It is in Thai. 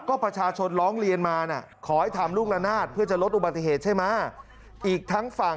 ก็ประชาชนร้องเรียนมานะขอให้ทำลูกละนาดเพื่อจะลดอุบัติเหตุใช่ไหมอีกทั้งฝั่ง